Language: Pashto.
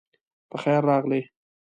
پخیر راغلی